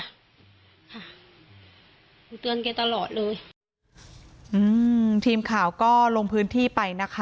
ค่ะหนูเตือนแกตลอดเลยอืมทีมข่าวก็ลงพื้นที่ไปนะคะ